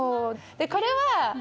これは。